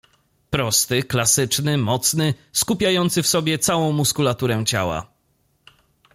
"Prosty, klasyczny, mocny, skupiający w sobie całą muskulaturę ciała."